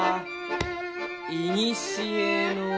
「いにしへの」。